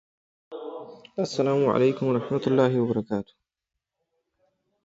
آیا د عصبيت مفهوم د ننني علم برخه ده؟